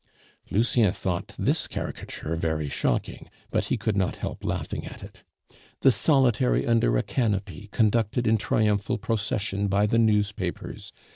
(Lucien though this caricature very shocking, but he could not help laughing at it.) "The Solitary under a canopy conducted in triumphal procession by the newspapers.